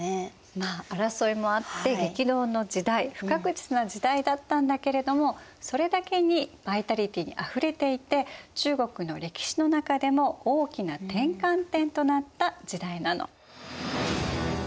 まあ争いもあって激動の時代不確実な時代だったんだけれどもそれだけにバイタリティーにあふれていて中国の歴史の中でも大きな転換点となった時代なの。